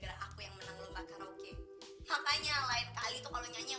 sudah saya percaya bahwa nanti aku capek banget nih yang astral b network imagewaskoren yang